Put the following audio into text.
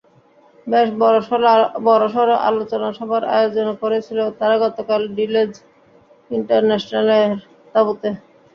বেশ বড়সড় আলোচনা সভার আয়োজন করেছিল তারা গতকাল ভিলেজ ইন্টারন্যাশনালের তাঁবুতে।